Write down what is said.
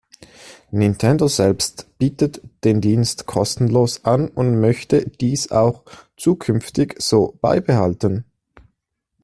Nintendo selbst bietet den Dienst kostenlos an und möchte dies auch zukünftig so beibehalten.